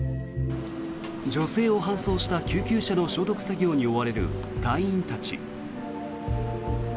女性を搬送した救急車の消毒作業に追われる隊員たち。